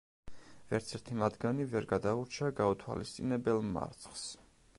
ვერცერთი მათგანი ვერ გადაურჩა გაუთვალისწინებელ მარცხს.